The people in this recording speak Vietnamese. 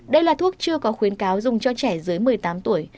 đây là thuốc chưa có khuyến cáo dùng cho trẻ dưới một mươi tám tuổi